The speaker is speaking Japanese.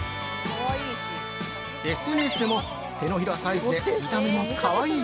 ＳＮＳでも、手のひらサイズで見た目もかわいい！